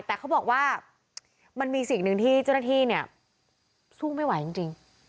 แต่เขาบอกว่ามันมีสิ่งหนึ่งที่เจ้าหน้าที่เนี่ยสู้ไม่ไหวจริง